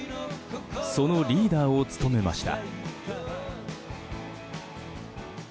そのリーダーを務めました。